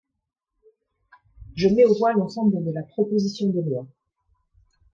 Je mets aux voix l’ensemble de la proposition de loi.